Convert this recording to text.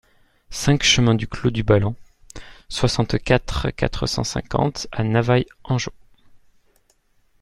cinq chemin du Clos du Balanh, soixante-quatre, quatre cent cinquante à Navailles-Angos